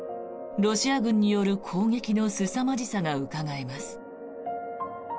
ロシア軍による攻撃のすさまじさがうかがえます。